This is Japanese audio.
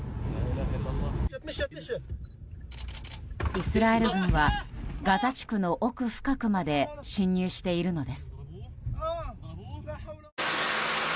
イスラエル軍はガザ地区の奥深くまで進入しているのです。